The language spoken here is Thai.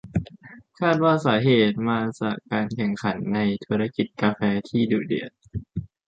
คาดว่าสาเหตุมาจากการแข่งขันในธุรกิจกาแฟที่ดุเดือด